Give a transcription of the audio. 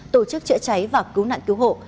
tổ chức chữa cháy và cứu nạn cứu hộ